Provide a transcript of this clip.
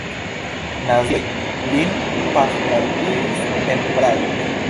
Nazioj lin pafmortigis en Prago.